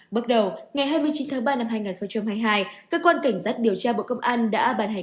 bước đầu ngày hai mươi chín tháng ba năm hai nghìn hai mươi hai cơ quan cảnh sát điều tra bộ công an đã bàn hành